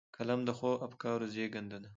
قلم د ښو افکارو زېږنده ده